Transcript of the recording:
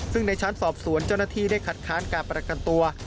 ซึ่งในชั้นสอบสวนเจ้าหน้าที่ได้คัดค้านการประกันตัว